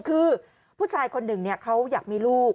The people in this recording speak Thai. คือผู้ชายคนหนึ่งเขาอยากมีลูก